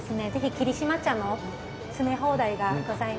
霧島茶の詰め放題がございます。